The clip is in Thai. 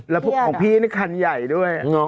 แล้วพวกของพี่นี่คันใหญ่ด้วย